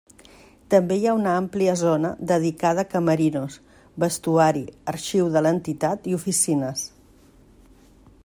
També hi ha una àmplia zona dedicada a camerinos, vestuari, arxiu de l'entitat i oficines.